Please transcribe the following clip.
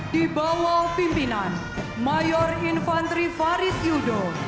di bawah pimpinan mayor infantri faris yudo